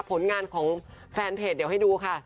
ผลงานของแฟนเพจเดี๋ยวให้ดูค่ะ